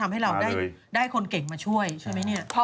ถ้าเก่งขนาดนี้แล้วใช่ไม่